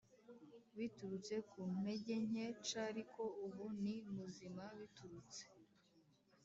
Biturutse ku ntege nke c ariko ubu ni muzima biturutse